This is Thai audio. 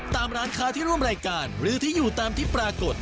ตามร้านค้าที่ร่วมรายการหรือที่อยู่ตามที่ปรากฏ